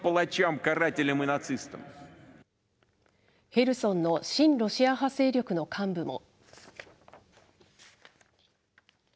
ヘルソンの新ロシア派勢力の幹部も。